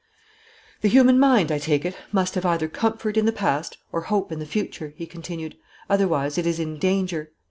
"The human mind, I take it, must have either comfort in the past or hope in the future," he continued, "otherwise it is in danger.